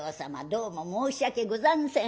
どうも申し訳ござんせん。